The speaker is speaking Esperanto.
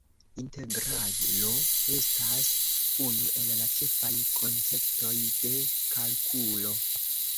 Integralo estas unu el la ĉefaj konceptoj de kalkulo.